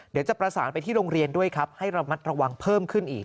เดี๋ยวจะประสานไปที่โรงเรียนด้วยครับให้ระมัดระวังเพิ่มขึ้นอีก